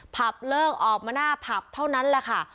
ผับเลิกออกมาหน้าผับเท่านั้นแหละค่ะ